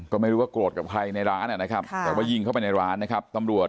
ก็ไม่รู้ว่าโกรธกับใครในร้านนะครับแต่ว่ายิงเข้าไปในร้านนะครับตำรวจ